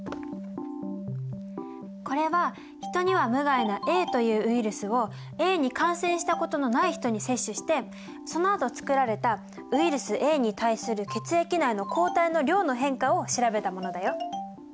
これはヒトには無害なＡというウイルスをＡに感染したことのない人に接種してそのあとつくられたウイルスＡに対する血液内の抗体の量の変化を調べたものだよ。